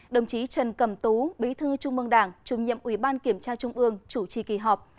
đồng chí trần cầm tú bí thư trung mương đảng trung nhiệm ủy ban kiểm tra trung ương chủ trì kỳ họp